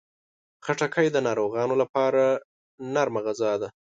خټکی د ناروغانو لپاره نرم غذا ده.